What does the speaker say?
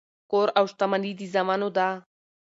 کور او شتمني د زامنو ده.